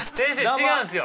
違うんですよ。